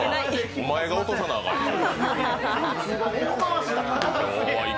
お前が落とさなあかんやん。